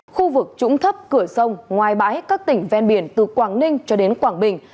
khu vực trũng thấp cửa sông ngoài bái các tỉnh ven biển từ quảng ninh cho đến quảng bình